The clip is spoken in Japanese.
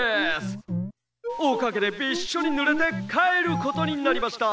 おかげでびっしょりぬれてかえることになりました。